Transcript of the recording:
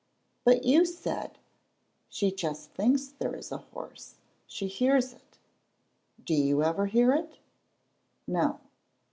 "But you said " "She just thinks there is a horse. She hears it." "Do you ever hear it?" "No."